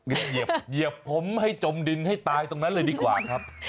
เหยียบผมให้จมดินให้ตายตรงนั้นเลยดีกว่าครับ